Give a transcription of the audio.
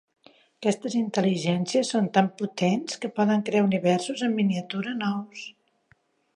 Aquestes intel·ligències són tan potents que poden crear universos en miniatura nous.